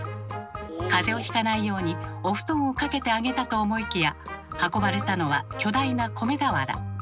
風邪をひかないようにお布団をかけてあげたと思いきや運ばれたのは巨大な米俵。